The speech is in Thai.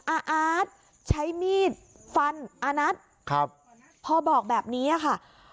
อาอาธใช้มีดฟันอาณัทพ่อบอกแบบนี้ค่ะ